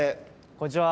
こんにちは。